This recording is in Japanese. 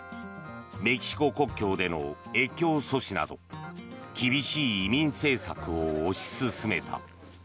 メキシコ国境での越境阻止など厳しい移民政策を推し進めた。